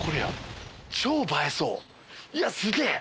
いやすげえ。